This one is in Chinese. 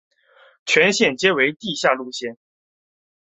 全线皆为地下路线。